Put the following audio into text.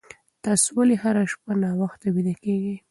تاسي ولې هره شپه ناوخته ویده کېږئ؟